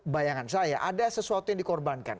bayangan saya ada sesuatu yang dikorbankan